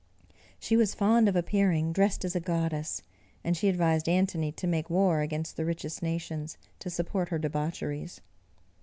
She was fond of appearing dressed as a goddess; and she advised Antony to make war against the richest nations, to support her debaucheries.